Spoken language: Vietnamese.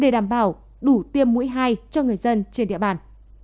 để đảm bảo đủ tiêm mũi hai cho người dân trên địa bàn